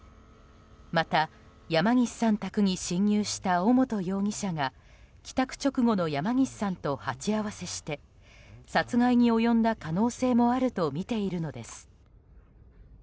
また、山岸さん宅に侵入した尾本容疑者が帰宅直後の山岸さんと鉢合わせして殺害に及んだ可能性もあるとみているのです。